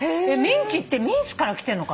ミンチってミンスからきて。